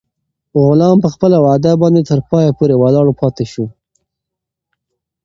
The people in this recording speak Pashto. غلام په خپله وعده باندې تر پایه پورې ولاړ پاتې شو.